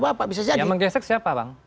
bapak bisa jadi yang menggesek siapa bang